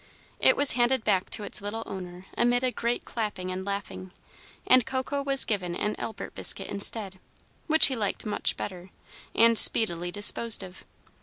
It was handed back to its little owner amid a great clapping and laughing, and Coco was given an Albert biscuit instead, which he liked much better, and speedily disposed of.